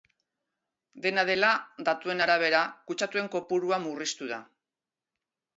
Dena dela, datuen arabera, kutsatuen kopurua murriztu da.